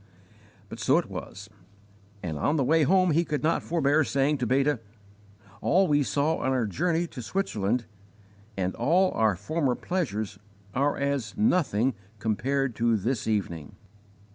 But so it was; and on the way home he could not forbear saying to Beta: "All we saw on our journey to Switzerland, and all our former pleasures, are as nothing compared to this evening."